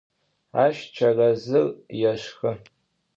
Aş çerezır yêşşxı.